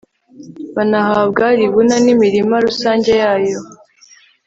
banahabwa libuna n'imirima rusange yayo